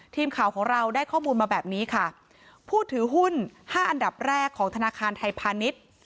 ทีมข่าวของเราได้ข้อมูลมาแบบนี้ค่ะผู้ถือหุ้นห้าอันดับแรกของธนาคารไทยพาณิชย์